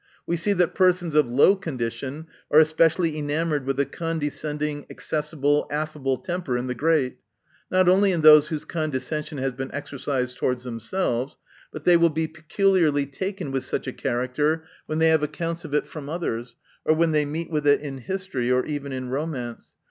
We see that persons of low condition are especially enamored with a condescending, accessible, affable temper in the great ; not only in those whose condescension has been exercised towards themselves ; but they will be peculiarly taken with such a character when they have accounts of it from others, or when they meet with it in history or even in romance.